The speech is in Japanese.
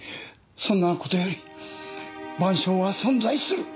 そんなことより『晩鐘』は存在する！